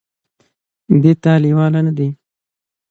دې ته لېواله نه دي ،